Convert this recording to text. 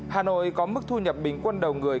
hà nội có mức thu nhập bình quân đầu người